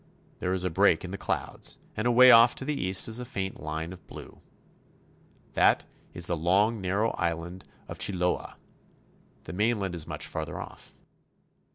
There is a break in the clouds, and away off to the east is a faint line of blue. That is the long, nar row island of Chiloe (che 16 a') ; the mainland is much farther off.